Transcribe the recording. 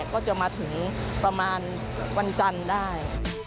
ก็จะมาถึงประมาณวันจันทร์ได้